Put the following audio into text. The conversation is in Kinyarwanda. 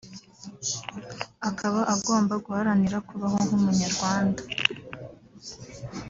akaba agomba guharanira kubaho nk’umunyarwanda